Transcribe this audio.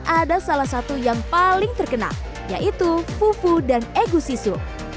ada salah satu yang paling terkenal yaitu fufu dan egusisu